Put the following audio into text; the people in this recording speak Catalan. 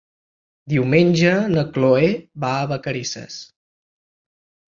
Diumenge na Chloé va a Vacarisses.